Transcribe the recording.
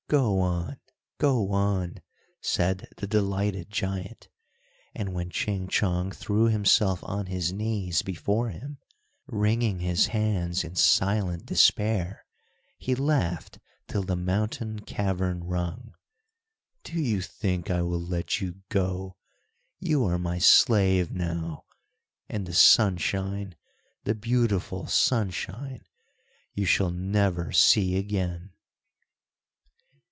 go on! go on!" said the delighted giant, and when Ching Chong threw himself on his knees before him, wringing his hands in silent despair, he laughed till the mountain cavern rung. "Do you think I will let you go? You are my slave now! and the sunshine! the beautiful sunshine! you shall never see again."